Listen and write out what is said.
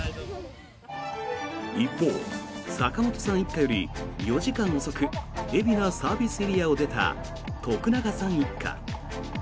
一方、坂本さん一家より４時間遅く海老名ＳＡを出た徳永さん一家。